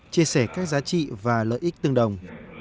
chia sẻ các giá trị và lợi ích tương đồng